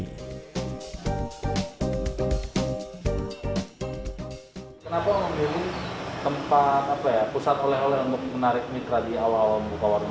kenapa memiliki tempat pusat ole oleh untuk menarik mitra di awal awal membuka warung